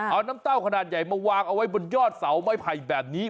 เอาน้ำเต้าขนาดใหญ่มาวางเอาไว้บนยอดเสาไม้ไผ่แบบนี้